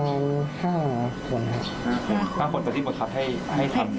๕คนตั้งผลปฏิบัติครับให้ทำอย่างนั้นคือคนเดียว